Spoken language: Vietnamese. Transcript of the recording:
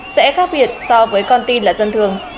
sẽ khác biệt so với con tin là dân thường